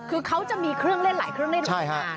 คือเขาจะมีเครื่องเล่นหลายเครื่องเล่นของงาน